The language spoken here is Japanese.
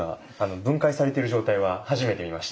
分解されている状態は初めて見ました。